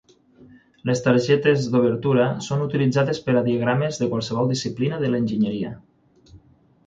Les targetes d'obertura són utilitzades per a diagrames de qualsevol disciplina de l'enginyeria.